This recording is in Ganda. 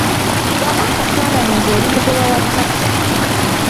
Kubamu akafaananyi ng'oli mugoba wa takisi.